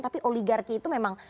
tapi oligarki itu memang